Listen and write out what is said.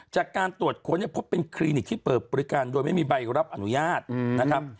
จากการตรวจค้นเนี่ยพบเป็นคลินิกที่เปิดบริการโดยไม่มีใบรับอนุญาตนะครับ